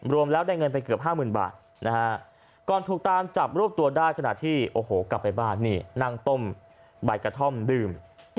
รวมแล้วได้เงินไปเกือบ๕๐๐๐บาทก่อนถูกตามจับรวบตัวได้ขณะที่โอ้โหกลับไปบ้านนี่นั่งต้มใบกระท่อมดื่ม